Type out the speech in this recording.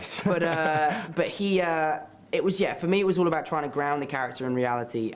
tapi untuk saya itu hanya tentang mencoba untuk mengatasi karakter dalam realitas